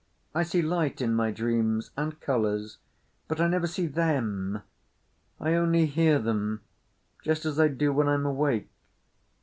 I see light in my dreams, and colours, but I never see them. I only hear them just as I do when I'm awake."